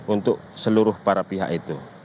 untuk seluruh para pihak itu